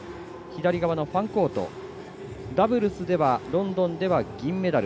ファンコート、ダブルスではロンドンでは銀メダル。